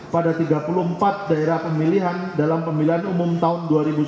pada tiga puluh empat daerah pemilihan dalam pemilihan umum tahun dua ribu sembilan belas